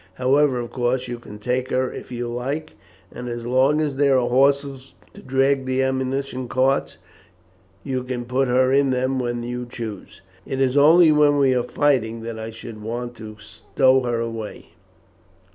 However, of course, you can take her if you like, and as long as there are horses to drag the ammunition carts you can put her in them when you choose." "It is only when we are fighting that I should want to stow her away.